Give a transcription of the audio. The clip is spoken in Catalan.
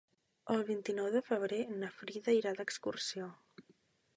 El vint-i-nou de febrer na Frida irà d'excursió.